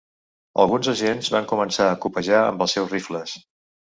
Alguns agents van començar a copejar amb els seus rifles.